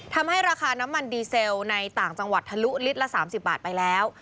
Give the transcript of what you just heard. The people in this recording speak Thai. ทำให้ราคาน้ำมันดีเซลในต่างจังหวัดทะลุลิตรละ๓๐บาทไปแล้ว